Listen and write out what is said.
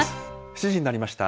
７時になりました。